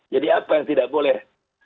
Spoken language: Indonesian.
jadi apa yang tidak boleh